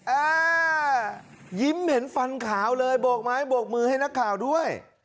อ่ายิ้มเหม็นฟันขาวเลยโบกไม้โบกมือให้นักข่าวด้วย